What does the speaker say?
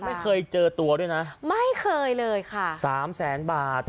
ไม่เคยเจอตัวด้วยนะไม่เคยเลยค่ะสามแสนบาท